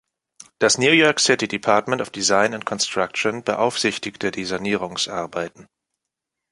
Das New York City Department of Design and Construction beaufsichtigte die Sanierungsarbeiten.